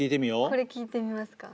これ聴いてみますか？